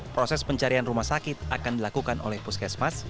proses pencarian rumah sakit akan dilakukan oleh puskesmas